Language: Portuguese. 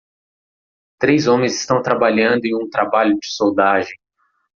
Três homens estão trabalhando em um trabalho de soldagem.